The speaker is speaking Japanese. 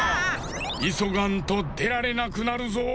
いそがんとでられなくなるぞ！